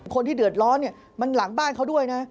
คนที่เดือดร้อนเนี่ยมันหลังบ้านเขาด้วยนะ